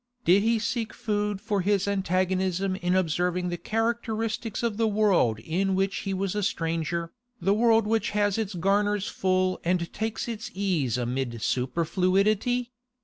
Did he seek food for his antagonism in observing the characteristics of the world in which he was a stranger, the world which has its garners full and takes its ease amid superfluity?